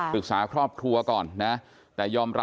ปรึกษาครอบครัวก่อนนะ